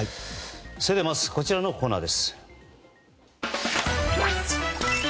それではまずこちらのコーナーです。